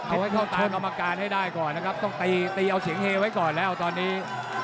เอาให้เข้าตากรรมการให้ได้ก่อนนะครับต้องตีตีเอาเสียงเฮไว้ก่อนแล้วตอนนี้